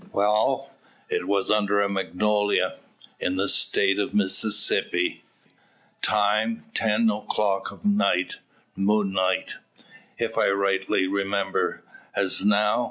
Wall, it was under a magnolia, in the State of Mississippi; time ten o'clock of night, moonlight, if I rightly remember, as now.